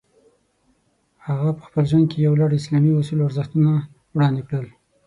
هغه په خپل ژوند کې یو لوړ اسلامي اصول او ارزښتونه وړاندې کړل.